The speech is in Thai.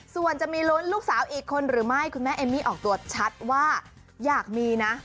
ส่วนจะมีลุ้นลูกสาวอีกคนหรือไม่คุณแม่เอมมี่ออกตัวชัดว่าอยากมีนะ